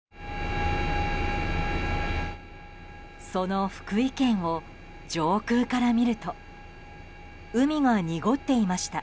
その福井県を上空から見ると海が濁っていました。